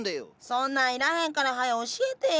そんなんいらへんからはよ教えてや。